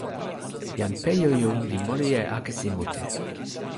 jan Pejoju li moli e akesi mute.